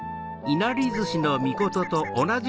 いなりずしのみことだ！